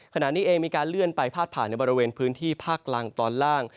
ขณะนี้เองมีการเลื่อนไปพาดผ่านในบริเวณพื้นที่ภาคล่างตอนล่าง